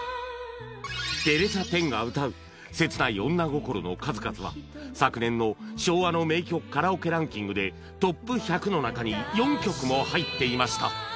テレサ・テンが歌う切ない女心の数々は昨年の昭和の名曲カラオケランキングでトップ１００の中に４曲も入っていました